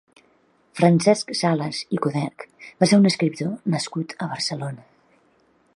Francesc Sales i Coderch va ser un escriptor nascut a Barcelona.